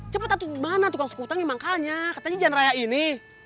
cepet atu dimana tukang sakutangnya mangkalnya katanya jangan raya ini